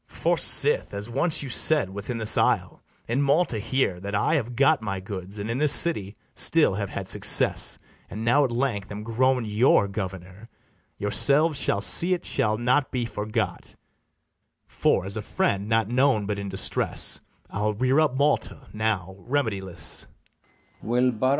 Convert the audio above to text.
For sith, as once you said, within this isle, In Malta here, that I have got my goods, And in this city still have had success, And now at length am grown your governor, Yourselves shall see it shall not be forgot; For, as a friend not known but in distress, I'll rear up Malta, now remediless.